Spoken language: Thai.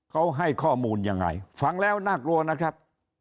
เขาให้ข้อมูลยังไงฟังแล้วน่ากลัวนะครับ